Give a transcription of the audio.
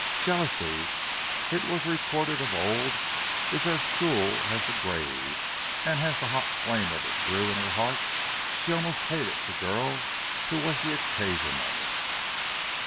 Jealousy, it was recorded of old, is as cruel as the grave, and as the hot flame of it grew in her heart, she almost hated the girl who was the occasion of it.